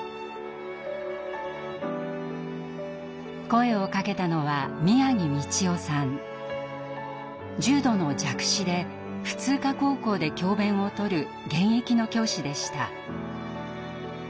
声をかけたのは重度の弱視で普通科高校で教べんをとる現役の教師でした。